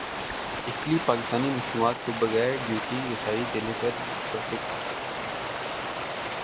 Italy Pakistani مصنوعات کو بغیر ڈیوٹی رسائی دینے پر متفق